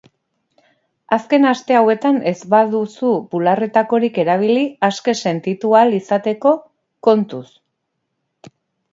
Azken aste hauetan ez baduzu bularretakorik erabili aske sentitu ahal izateko, kontuz!